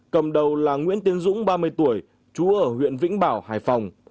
cầm đầu là nguyễn tiến dũng ba mươi tuổi chú ở huyện vĩnh bảo hải phòng